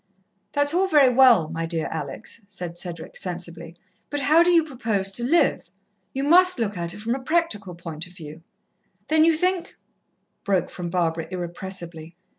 "That's all very well, my dear Alex," said Cedric sensibly, "but how do you propose to live? You must look at it from a practical point of view." "Then you think " broke from Barbara irrepressibly.